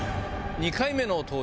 ２回目の登場